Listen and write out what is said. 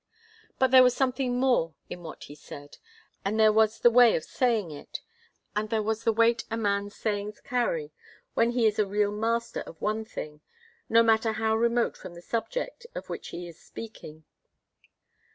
But there was something more in what he said, and there was the way of saying it, and there was the weight a man's sayings carry when he is a real master of one thing, no matter how remote from the subject of which he is speaking.